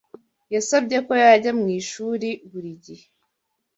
Yasabye ko yajya mu ishuri buri gihe.